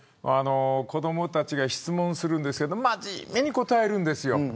子どもたちが質問するんですけれど真面目に答えるんですよ。